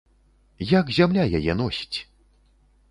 Як зямля яе носіць?